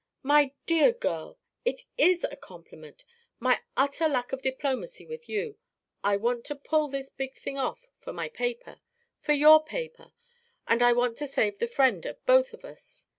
"My dear girl, it is a compliment my utter lack of diplomacy with you. I want to pull this big thing off for my paper, for your paper. And I want to save the friend of both of us.